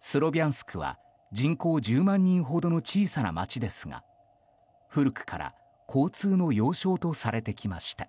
スロビャンスクは人口１０万人ほどの小さな街ですが古くから交通の要衝とされてきました。